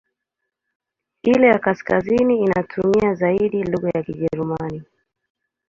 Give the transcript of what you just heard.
Ile ya kaskazini inatumia zaidi lugha ya Kijerumani.